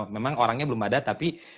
memang orangnya belum ada tapi